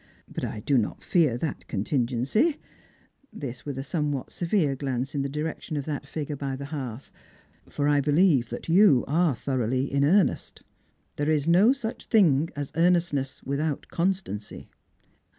But I do not fear that contingency "— this with 136 Strangers and Pilgrims. a somewhat severe pflance in the direction of that figui e by the hearth—" for I believe that you are thoroughly in earnest. Thei e is no such thing as earnestness without constancy."